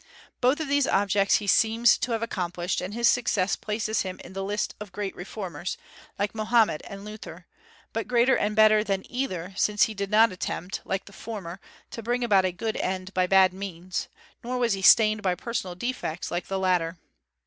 Both of these objects he seems to have accomplished; and his success places him in the list of great reformers, like Mohammed and Luther, but greater and better than either, since he did not attempt, like the former, to bring about a good end by bad means; nor was he stained by personal defects, like the latter.